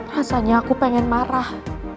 rasanya aku pengen marah